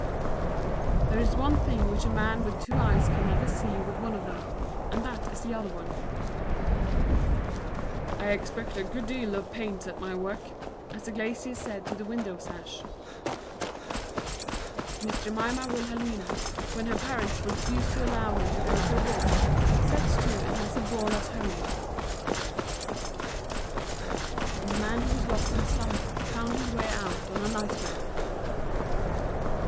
There is one thing which a man with two eyes can never see with one of them, and that is the other one. "I expend a good deal of panes at my work," as the glazier said to the window sash. Miss Jemima Wilhelmina, when her parents refuse to allow her to go to a ball, sets to and has a bawl at home. The man who was lost in slumber found his way out on a nightmare.